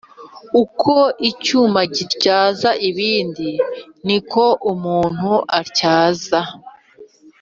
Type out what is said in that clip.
Uko icyuma gityaza ikindi Ni ko umuntu atyaza